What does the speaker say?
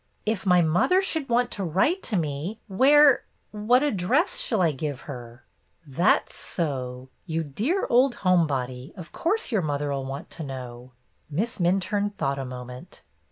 "If my mother should want to write to me, where — what address shall I give her?" "That 's so! You dear old home body, of course your mother fll want to know." Miss Minturne thought a moment.